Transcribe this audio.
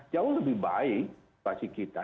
jauh lebih baik bagi kita